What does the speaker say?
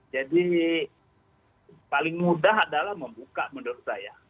jadi paling mudah adalah membuka menurut saya